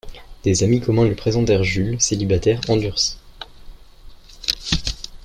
Des amis communs lui présentèrent Jules, célibataire endurci.